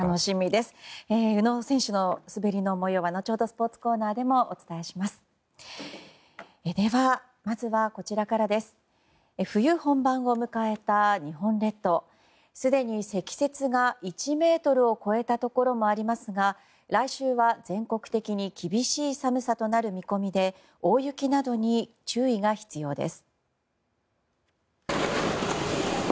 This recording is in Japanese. すでに積雪が１ｍを超えたところもありますが来週は全国的に厳しい寒さとなる見込みで大雪などに注意が必要です。